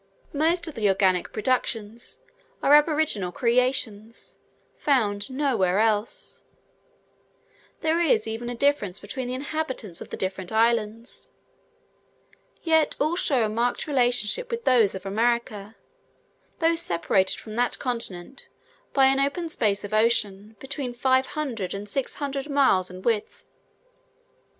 Most of the organic productions are aboriginal creations, found nowhere else; there is even a difference between the inhabitants of the different islands; yet all show a marked relationship with those of America, though separated from that continent by an open space of ocean, between 500 and 600 miles in width.